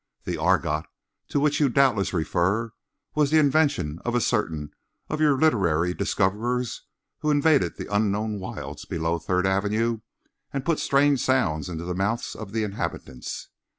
The 'argot' to which you doubtless refer was the invention of certain of your literary 'discoverers' who invaded the unknown wilds below Third avenue and put strange sounds into the mouths of the inhabitants.